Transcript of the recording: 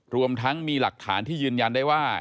รวมทั้งมีหลักฐานที่ยืนยันได้ว่า